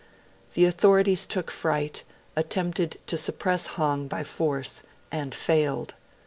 The authorities took fright, attempted to suppress Hong by force, and failed.